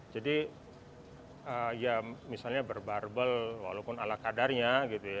jadi ya misalnya berbarbel walaupun ala kadarnya gitu ya